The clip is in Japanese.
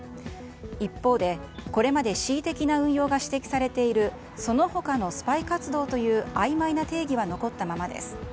一方で、これまで恣意的な運用が指摘されているその他のスパイ活動というあいまいな定義は残ったままです。